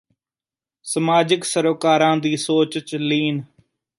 ਸਮਾਜਿਕ ਸਰੋਕਾਰਾਂ ਦੀ ਸੋਚ ਚ ਲੀਨ